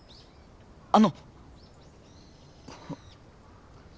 あの。